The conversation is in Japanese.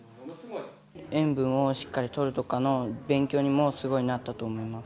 塩分をしっかりとるとかの勉強にもすごいなったと思います。